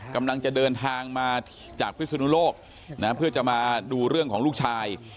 กำลังจะเดินทางมาจากพิศนุโลกเพื่อจะมาดูเรื่องของลูกชาย